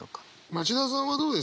町田さんはどうですか？